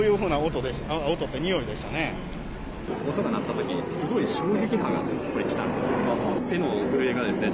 音が鳴ったときに、すごい衝撃波が来たんですね。